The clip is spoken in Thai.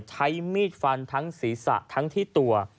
ใช้มีดฟันทั้งศีรษะทั้งที่ตัว